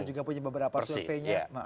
juga punya beberapa surveinya